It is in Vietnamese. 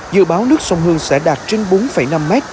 dự báo nước sông hương sẽ đạt trên bốn năm mét